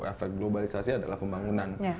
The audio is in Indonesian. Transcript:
efek globalisasi adalah pembangunan